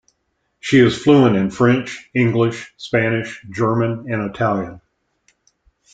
She is fluent in French, English, Spanish, German and Italian.